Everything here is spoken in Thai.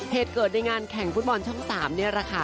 เหตุเกิดในงานแข่งฟุตบอลช่อง๓นี่แหละค่ะ